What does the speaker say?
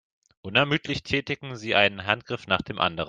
Unermüdlich tätigen sie einen Handgriff nach dem anderen.